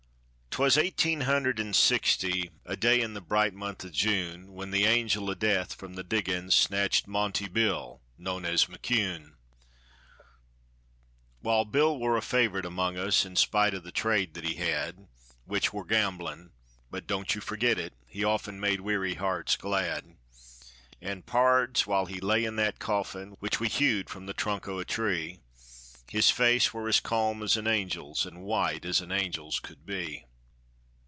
'Twas eighteen hundred an' sixty, A day in the bright month o' June, When the angel o' death from the diggin's Snatched "Monte Bill" known as McCune. Wal, Bill war a favorite among us, In spite o' the trade that he had, Which war gamblin'; but don't you forget it He of'en made weary hearts glad. An', pards, while he lay in that coffin, Which we hewed from the trunk o' a tree, His face war as calm as an angel's, An' white as an angel's could be.